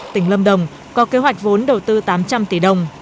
tỉnh lâm đồng có kế hoạch vốn đầu tư tám trăm linh tỷ đồng